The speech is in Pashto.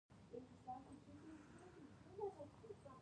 د افغانستان هوا ککړه ده